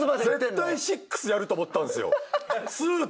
絶対『６』やると思ったんすよ。